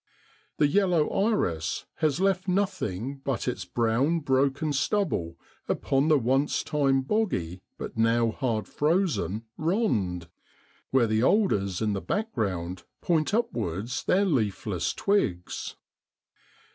The yellow iris has left nothing but its brown broken stubble upon the once time boggy, but now hard frozen * rond,' where the alders in the background point upwards their leafless twigs.